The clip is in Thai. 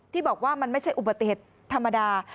ที่บอกว่ามันไม่ใช่อุบัติเหตุธรรมดา